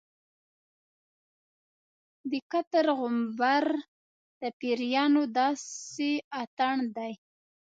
د قطر غومبر د پیریانو داسې اتڼ دی.